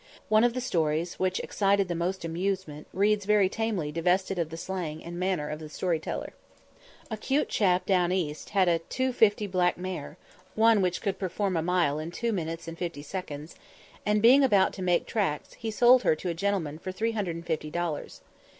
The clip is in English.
One of the stories which excited the most amusement reads very tamely divested of the slang and manner of the story teller. A "'cute chap down east" had a "2 50" black mare (one which could perform a mile in two minutes fifty seconds), and, being about to "make tracks," he sold her to a gentleman for 350 dollars.